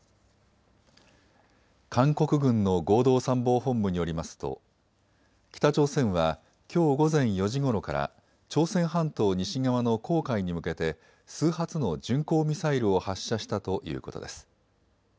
韓国軍の合同参謀本部によりますと北朝鮮はきょう午前４時ごろから朝鮮半島西側の黄海に向けて数発の巡航ミサイルを発射したということです。